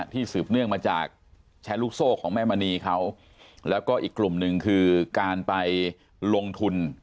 สืบเนื่องมาจากแชร์ลูกโซ่ของแม่มณีเขาแล้วก็อีกกลุ่มหนึ่งคือการไปลงทุน